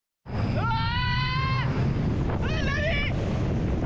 うわー！